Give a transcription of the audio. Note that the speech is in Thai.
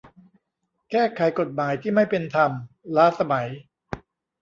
แก้ไขกฎหมายที่ไม่เป็นธรรม ล้าสมัย